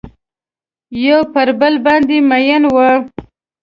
یو پر بل باندې میین وه